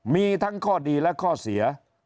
มีทั้งข้อดีและข้อเสีย